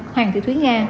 hoàng thị thúy nga